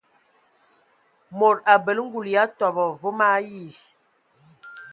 Mod abələ ngul ya tobɔ vom ayi.